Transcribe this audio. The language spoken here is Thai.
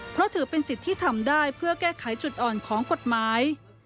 เพราะถือเป็นสิทธิ์ที่ทำได้เพื่อแก้ไขจุดอ่อนของกฎหมาย